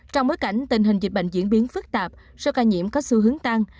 trong bối cảnh tình hình dịch bệnh diễn biến phức tạp số ca nhiễm có xu hướng tăng